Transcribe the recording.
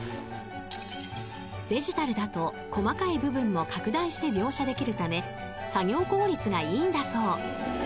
［デジタルだと細かい部分も拡大して描写できるため作業効率がいいんだそう］